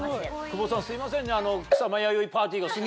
久保さんすいませんね。